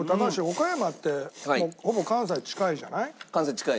岡山ってほぼ関西に近いじゃない？